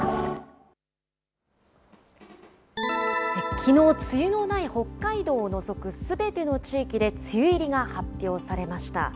きのう、梅雨のない北海道を除くすべての地域で梅雨入りが発表されました。